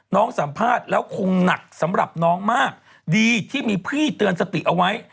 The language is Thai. สัมภาษณ์แล้วคงหนักสำหรับน้องมากดีที่มีพี่เตือนสติเอาไว้